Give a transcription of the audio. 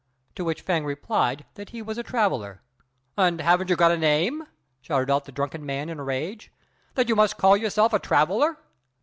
to which Fêng replied that he was a traveller. "And haven't you got a name?" shouted out the drunken man in a rage, "that you must call yourself a traveller?"